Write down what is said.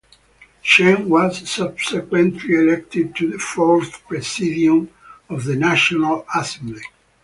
Chen was subsequently elected to the fourth presidium of the National Assembly.